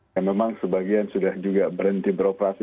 dan memang sebagian sudah juga berhenti beroperasi